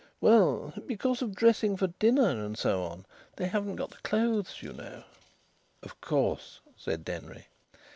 "Well, because of dressing for dinner, and so on. They haven't got the clothes, you know." "Of course," said Denry.